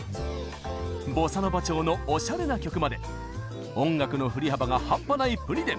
ボサノバ調のおしゃれな曲まで音楽の振り幅が半端ない、ぷに電。